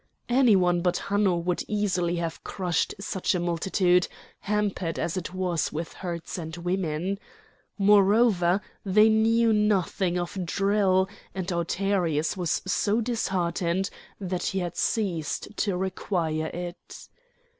Any one but Hanno would easily have crushed such a multitude, hampered as it was with herds and women. Moreover, they knew nothing of drill, and Autaritus was so disheartened that he had ceased to require it.